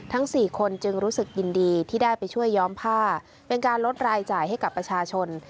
สี่คนจึงรู้สึกยินดีที่ได้ไปช่วยย้อมผ้าเป็นการลดรายจ่ายให้กับประชาชน